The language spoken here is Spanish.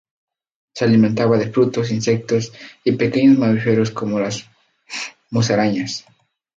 Se alimentaba de frutos, insectos y pequeños mamíferos como las musarañas.